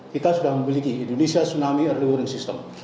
kita sudah memiliki indonesia tsunami erroring system